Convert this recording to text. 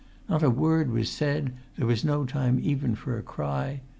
Not a word was said; there was no time even for a cry.